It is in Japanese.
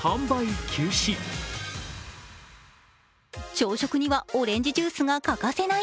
朝食にはオレンジジュースが欠かせない。